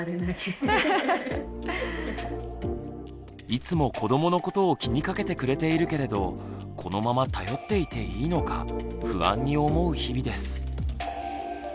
いつも子どものことを気にかけてくれているけれどこのまま頼っていていいのか不安に思う日々です。